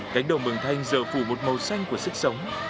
cánh đồng mường thanh giờ phủ một màu xanh của sức sống